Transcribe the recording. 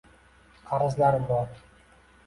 Qarzlarim bor.